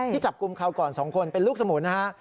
จับกลุ่มคราวก่อน๒คนเป็นลูกสมุนนะฮะ